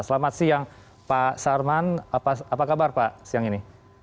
selamat siang pak sarman apa kabar pak siang ini